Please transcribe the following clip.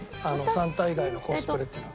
サンタ以外のコスプレってのは。